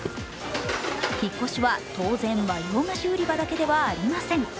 引っ越しは当然、和洋菓子売り場だけではありません。